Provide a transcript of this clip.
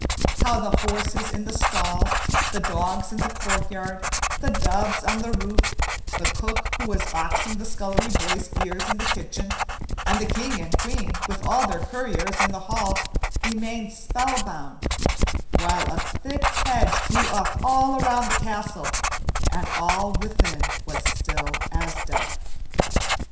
How the horses in the stall, the dogs in the court yard, the doves on the roof, the cook who was boxing the scullery boy's ears in the kitchen, and the king and queen with all their courtiers in the hall remained spell bound, while a thick hedge grew up all round the castle and all within was still as death.